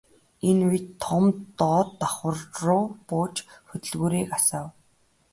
Энэ үед Том доод давхарруу бууж хөдөлгүүрийг асаав.